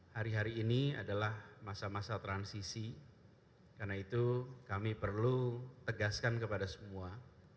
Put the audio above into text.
hari hari ini adalah masa masa transisi karena itu kami perlu tegaskan kepada semua